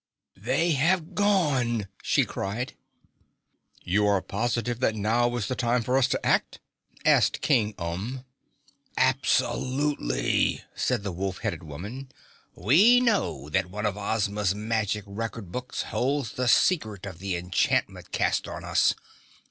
"They have gone!" she cried. "You are positive that now is the time for us to act?" asked King Umb. "Absolutely," said the wolf headed woman. "We know that one of Ozma's magic record books holds the secret of the enchantment cast on us.